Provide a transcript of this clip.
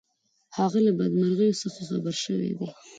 هغه له بدمرغیو څخه خبر شوی دی.